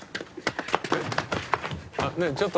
えっ？あっねえちょっと！